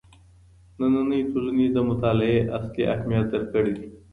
نننۍ ټولني د مطالعې اصلي اهميت درک کړی دی.